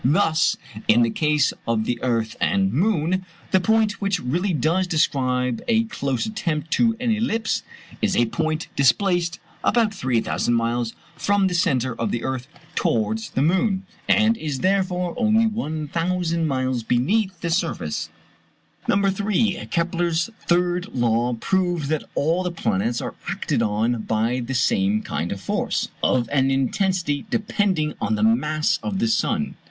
Thus, in the case of the earth and moon, the point which really does describe a close attempt at an ellipse is a point displaced about 3000 miles from the centre of the earth towards the moon, and is therefore only 1000 miles beneath the surface. No. 3. Kepler's third law proves that all the planets are acted on by the same kind of force; of an intensity depending on the mass of the sun.